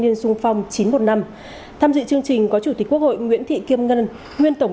niên sung phong chín trăm một mươi năm tham dự chương trình có chủ tịch quốc hội nguyễn thị kim ngân nguyên tổng